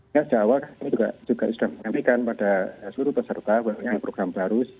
sejak awal kami juga sudah menyampaikan pada seluruh peserta bahwa dengan program baru